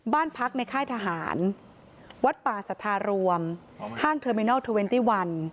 บ้านพักในค่ายทหารวัดป่าสถารวมห้างเทอร์มินัล๒๑